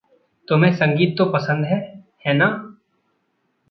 तुम्हें संगीत तो पसंद है, है ना?